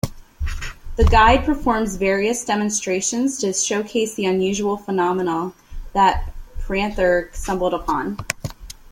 The guides perform various demonstrations to showcase the unusual phenomena that Prather stumbled upon.